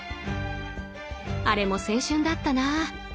あれも青春だったな。